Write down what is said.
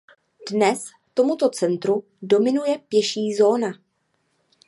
Dnes tomuto centru dominuje pěší zóna.